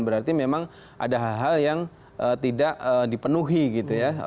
berarti memang ada hal hal yang tidak dipenuhi gitu ya